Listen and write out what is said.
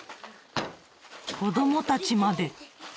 子どもたちまで。